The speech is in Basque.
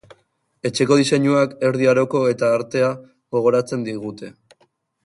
Etxeko diseinuak, erdi aroko eta artea gogorarazten digute.